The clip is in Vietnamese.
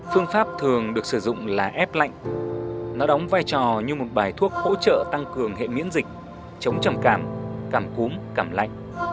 phương pháp thường được sử dụng là ép lạnh nó đóng vai trò như một bài thuốc hỗ trợ tăng cường hệ miễn dịch chống trầm cảm cúm cảm lạnh